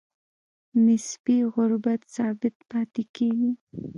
نسبي غربت ثابت پاتې کیږي.